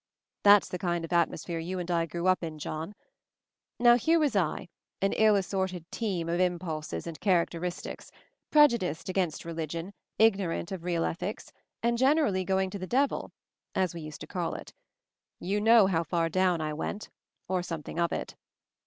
That's the kind of atmosphere you and I grew up in, John. Now here was I, an ill assorted team of im pulses and characteristics, prejudiced against religion, ignorant of real ethics, and gener ally going to the devil — as we used to call it I You know how far down I went — or some thing of it."